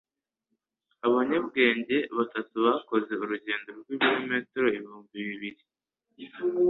Abanyabwenge batatu bakoze urugendo rw'ibirometero ibihumbi bibiri